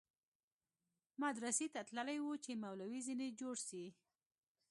مدرسې ته تللى و چې مولوى ځنې جوړ سي.